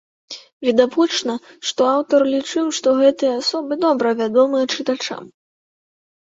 Відавочна, што аўтар лічыў, што гэтыя асобы добра вядомыя чытачам.